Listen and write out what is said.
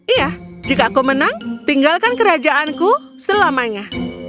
iya jika aku menang tinggalkan kerajaanku selamanya